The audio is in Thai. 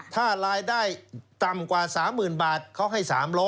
ถ้ารายได้ต่ำกว่า๓๐๐๐บาทเขาให้๓๐๐